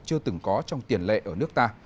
chưa từng có trong tiền lệ ở nước ta